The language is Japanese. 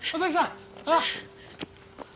ああ。